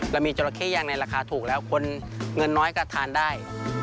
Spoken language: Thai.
เรามีจราเข้ย่างในราคาถูกแล้วคนเงินน้อยก็ทานได้